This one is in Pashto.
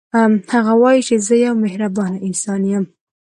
هغه وايي چې زه یو مهربانه انسان یم